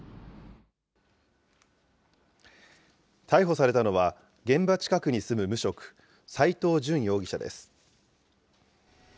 逮捕されたのは、現場近くに住む無職、斎藤淳容疑者です。